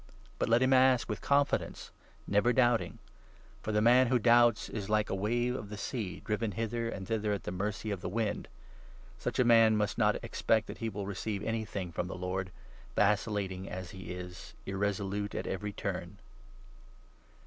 But 6 let him ask with confidence, never doubting ; for the man who doubts is like a wave of the sea driven hither and thither at the mercy of the wind— such a man must not expect that he will re 7 ceive anything from the Lord, vacillating as he is, irresolute at 8 every turn.